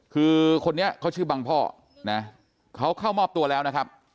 คือคนนี้เขาชื่อบังพ่อนะเขาเข้ามอบตัวแล้วนะครับ